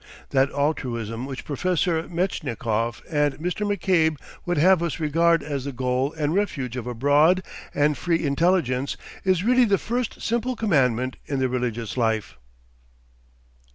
That altruism which Professor Metchnikoff and Mr. McCabe would have us regard as the goal and refuge of a broad and free intelligence, is really the first simple commandment in the religious life.